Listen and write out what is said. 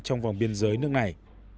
trong vòng biên giới nước này